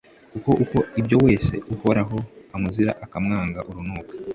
kuko ukora ibyo wese, uhoraho amuzira akamwanga urunuka;